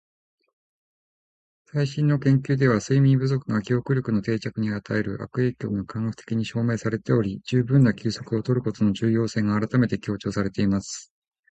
「最新の研究では、睡眠不足が記憶力の定着に与える悪影響が科学的に証明されており、十分な休息を取ることの重要性が改めて強調されています。」